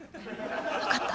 分かった。